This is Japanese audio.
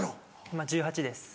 今１８歳です。